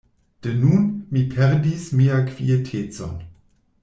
De nun, mi perdis mian kvietecon.